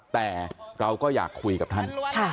แต่เราก็อยากคุยกับท่าน